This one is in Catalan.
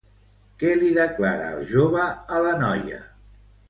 Què li declara el jove a la noia?